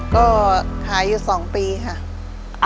ก็ขายอยู่๒ปีค่ะ